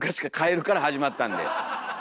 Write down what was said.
カエルから始まったんで。